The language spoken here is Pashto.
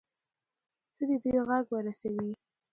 ته د دوى غږ ورسوي.